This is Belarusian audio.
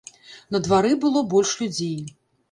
На двары было больш людзей.